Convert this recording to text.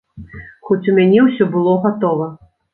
Хоць у мяне ўсё было гатова.